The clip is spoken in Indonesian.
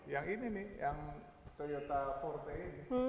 yang ini nih yang toyota empat ini